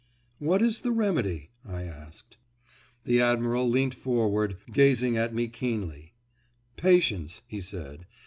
"What is the remedy?" I asked. The Admiral leant forward, gazing at me keenly. "Patience," he said.